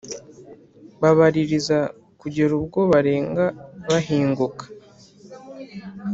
babaririza kugera ubwo barenga bahinguka!